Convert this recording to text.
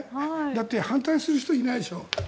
だって反対する人いないでしょ。